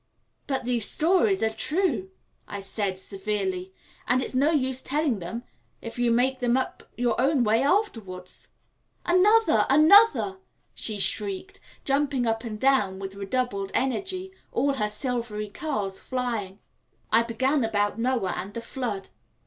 "But these stories are true," I said severely; "and it's no use my telling them if you make them up your own way afterwards." "Another! another!" she shrieked, jumping up and down with redoubled energy, all her silvery curls flying. I began about Noah and the flood.